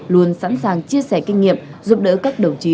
luôn sẵn sàng chia sẻ kinh nghiệm giúp đỡ các đồng chí